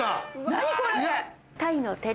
何これ！